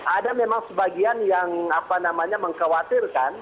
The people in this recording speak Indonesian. ada memang sebagian yang mengkhawatirkan